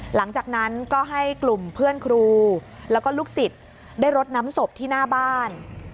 หลังจากนั้นก็ให้กลุ่มเพื่อนครูแล้วก็ลูกศิษย์ได้รดน้ำศพที่หน้าบ้าน